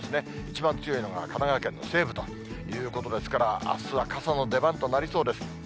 一番強いのが、神奈川県の西部ということですから、あすは傘の出番となりそうです。